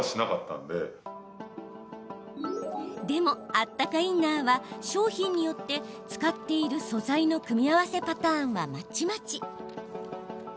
でも、あったかインナーは商品によって使っている素材の組み合わせパターンはまちまち。